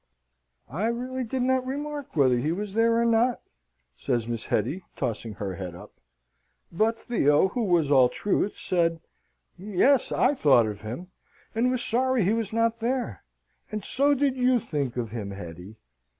"I really did not remark whether he was there or not," says Miss Hetty, tossing her head up. But Theo, who was all truth, said, "Yes, I thought of him, and was sorry he was not there; and so did you think of him, Hetty."